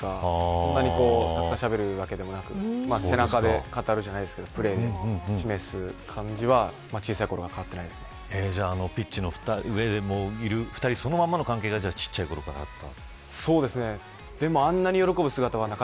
そんなにたくさんしゃべるわけでもなく背中で語るじゃないですけどプレーで示す感じは小さいころからピーチの上でいる２人そのままの関係が小さいころからあった。